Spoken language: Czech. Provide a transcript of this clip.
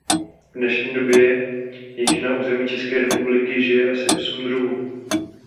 V dnešní době jich na území české republiky žije asi osm druhů.